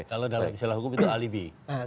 kalau dalam istilah hukum itu alibi